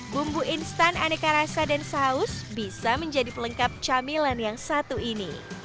bumbu instan aneka rasa dan saus bisa menjadi pelengkap camilan yang satu ini